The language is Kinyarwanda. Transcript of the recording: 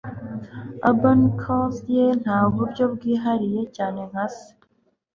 Auburn curls ye nta buryo bwihariye - cyane nka se.